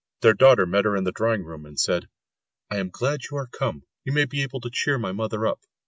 Their daughter met her in the drawing room and said, "I am glad you are come you may be able to cheer my mother up.